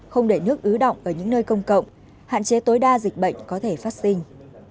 không để nước ứ động ở những nơi công cộng hạn chế tối đa dịch bệnh có thể phát sinh